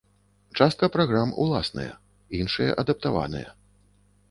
Частка праграм уласныя, іншыя адаптаваныя.